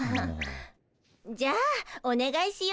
じゃあおねがいしようかしら。